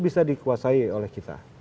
bisa dikuasai oleh kita